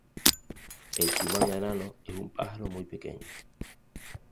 El suimanga enano es un pájaro muy pequeño.